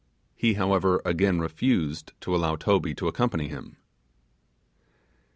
He, however, again refused to allow Toby to accompany him.